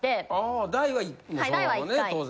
あ大はそのままね当然。